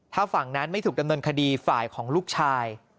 ถ้าฝั่งนั้นไม่ถูกดำเนินคดีฝ่ายของลูกชาย